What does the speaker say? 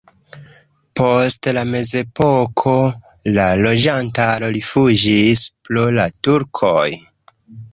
Post la mezepoko la loĝantaro rifuĝis pro la turkoj.